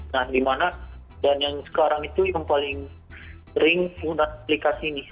nah dimana dan yang sekarang itu yang paling sering pengguna aplikasi ini